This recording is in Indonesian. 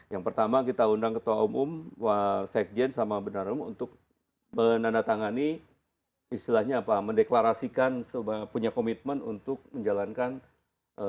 yang pertama kita undang ketua umum wa sekjen sama benarum untuk menandatangani istilahnya apa mendeklarasikan punya komitmen untuk menjalankan tugas